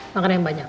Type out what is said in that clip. makan yang banyak